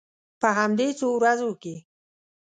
په همدې څو ورځو کې.